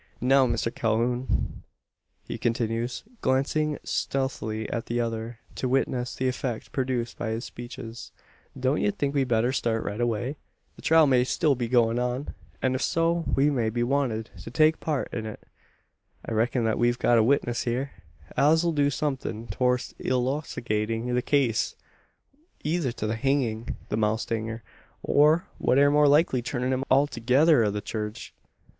Now, Mister Calhoun," he continues, glancing stealthily at the other, to witness the effect produced by his speeches; "don't ye think we'd better start right away? The trial may still be goin' on; an', ef so, we may be wanted to take a part in it. I reck'n thet we've got a witness hyur, as 'll do somethin' torst illoocidatin' the case either to the hangin' the mowstanger, or, what air more likely, clurrin' him althogither o' the churge.